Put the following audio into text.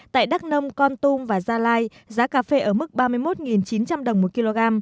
tại đắk nông con tum và gia lai giá cà phê ở mức ba mươi một chín trăm linh đồng một kg